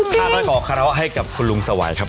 ค้าตอนของเราให้กับคุณลุงสวัยครับค่ะ